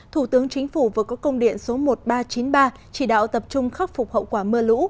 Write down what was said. thủ tướng chính phủ vừa có công điện số một nghìn ba trăm chín mươi ba chỉ đạo tập trung khắc phục hậu quả mưa lũ